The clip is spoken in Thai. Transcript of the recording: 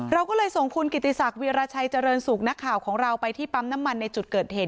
เราก็เลยส่งคุณกิติศักดิราชัยเจริญสุขนักข่าวของเราไปที่ปั๊มน้ำมันในจุดเกิดเหตุ